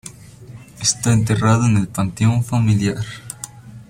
Está enterrado en el panteón familiar.